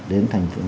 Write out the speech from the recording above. đến thành phố